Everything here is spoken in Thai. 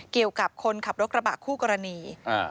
เกี่ยวกับคนขับรถกระบะคู่กรณี